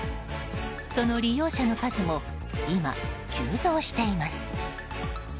その利用者の数も今、急増しています。